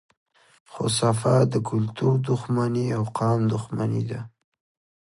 خو صفا د کلتور دښمني او قام دښمني ده